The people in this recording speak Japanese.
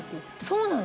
そうなの？